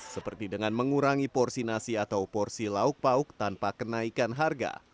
seperti dengan mengurangi porsi nasi atau porsi lauk pauk tanpa kenaikan harga